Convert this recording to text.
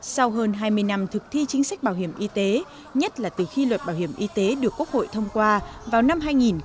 sau hơn hai mươi năm thực thi chính sách bảo hiểm y tế nhất là từ khi luật bảo hiểm y tế được quốc hội thông qua vào năm hai nghìn một mươi